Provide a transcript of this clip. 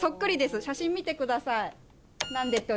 写真見てください。